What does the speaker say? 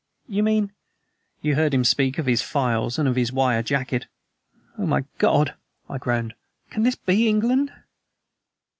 "You mean ?" "You heard him speak of his files and of his wire jacket?" "Oh, my God!" I groaned; "can this be England?"